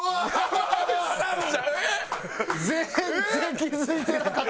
全然気付いてなかった。